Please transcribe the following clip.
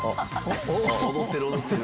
踊ってる踊ってる。